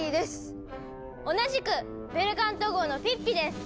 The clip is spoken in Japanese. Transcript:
同じくベルカント号のピッピです！